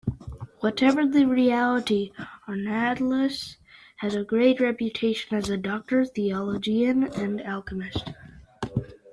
Whatever the reality, Arnaldus had a great reputation as a doctor, theologian and alchemist.